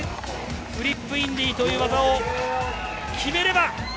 フリップインディという技を決めれば。